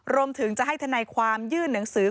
รวมถึงจะให้ทนายความยื่นหนังสือ